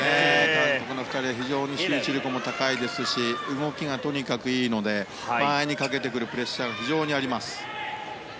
韓国の２人は非常に集中力も高いですし動きがとにかくいいので前にかけてくるプレッシャーが非常にあります。